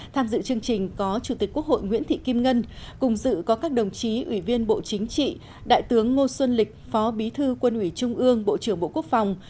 tham dự chương trình có chủ tịch quốc hội nguyễn thị kim ngân cùng dự có các đồng chí ủy viên bộ chính trị đại tướng ngô xuân lịch phó bí thư quân ủy trung ương bộ trưởng bộ quốc phòng